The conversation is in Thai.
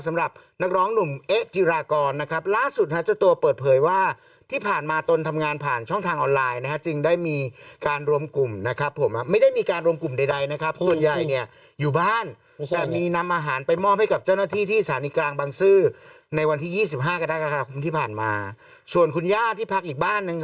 สำหรับนักร้องหนุ่มเอ๊ะจิรากรนะครับล่าสุดครับจะตัวเปิดเผยว่าที่ผ่านมาตอนทำงานผ่านช่องทางออนไลน์นะครับ